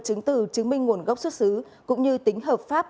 chứng từ chứng minh nguồn gốc xuất xứ cũng như tính hợp pháp